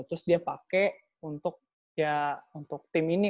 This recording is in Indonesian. terus dia pakai untuk ya untuk tim ini